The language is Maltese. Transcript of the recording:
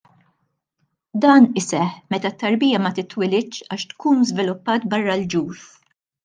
Dan iseħħ meta t-tarbija ma titwilidx għax tkun żviluppat barra l-ġuf.